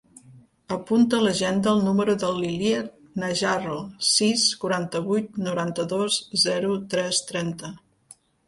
Apunta a l'agenda el número de l'Iyad Najarro: sis, quaranta-vuit, noranta-dos, zero, tres, trenta.